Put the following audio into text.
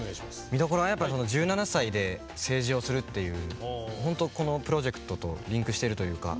見どころは１７才で政治をするっていうこのプロジェクトとリンクしてるというか